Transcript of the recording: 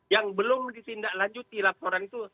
yang belum ditindaklanjuti laporan itu